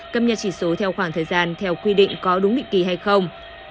cập nhật chỉ số theo khoảng thời gian theo quy định có đúng định kỳ hay không